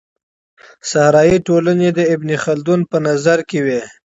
صحرايي ټولني د ابن خلدون په نظر کي وې.